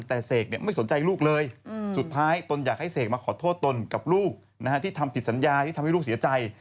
แต่เสกไม่สนใจลูกเลยสุดท้ายตนอยากให้เสกมาขอโทษตนกับลูกที่ทำผิดสัญญาที่ทำให้ลูกเสียใจ